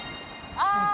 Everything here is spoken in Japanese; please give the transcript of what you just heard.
ああ！